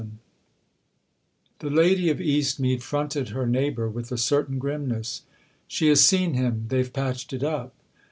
XXVII THE lady of Eastmead fronted her neighbour with a certain grimness. " She has seen him they've patched it up."